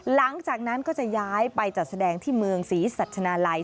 หลังจากนั้นก็จะย้ายไปจัดแสดงที่เมืองศรีสัชนาลัย